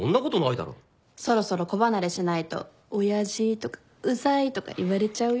そろそろ子離れしないと「親父」とか「うざい」とか言われちゃうよ。